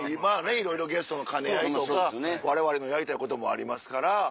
いろいろゲストの兼ね合いとかわれわれのやりたいこともありますから。